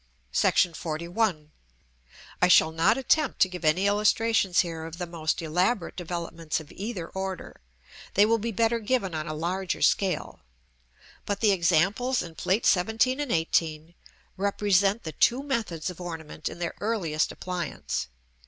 § XLI. I shall not attempt to give any illustrations here of the most elaborate developments of either order; they will be better given on a larger scale: but the examples in Plate XVII. and XVIII. represent the two methods of ornament in their earliest appliance.